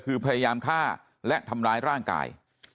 คือพยายามฆ่าและทำร้ายร่างกาย